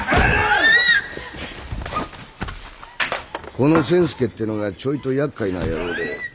この千助ってのがちょいとやっかいな野郎で。